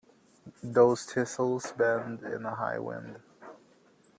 Those thistles bend in a high wind.